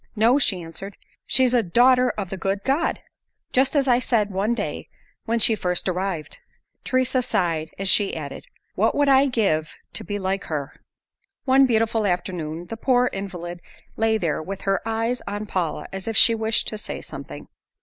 "No," she answered, "She's a 'Daughter of the good God!' Just as I said one day when she first arrived." Teresa sighed as she added, "What would I give to be like her!" One beautiful afternoon, the poor invalid lay there with her eyes on Paula as if she wished to say something.